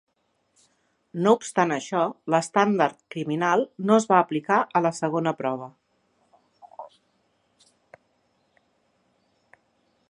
No obstant això, l'estàndard criminal no es va aplicar a la segona prova.